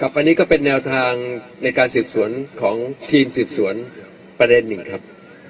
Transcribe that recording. อันนี้ก็เป็นแนวทางในการสืบสวนของทีมสืบสวนประเด็นหนึ่งครับ